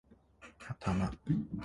頭